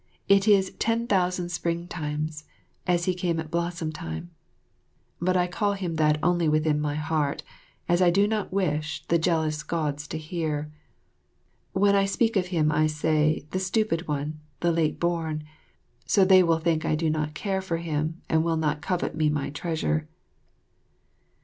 It is Ten Thousand Springtimes, as he came at blossom time; but I call him that only within my heart, as I do not wish the jealous Gods to hear. "Then I speak of him, I say "The Stupid One," "The Late Born," so they will think I do not care for him and will not covet me my treasure.